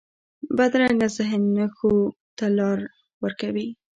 بدرنګه ذهن نه ښو ته لار ورکوي